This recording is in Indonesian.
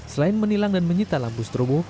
selain menilang dan menyita lampu stromo